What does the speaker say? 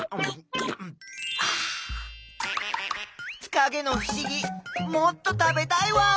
かげのふしぎもっと食べたいワオ！